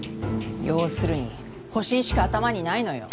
要するに保身しか頭にないのよ。